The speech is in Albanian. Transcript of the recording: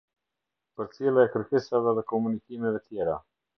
Përcjellja e kërkesave dhe komunikimeve tjera.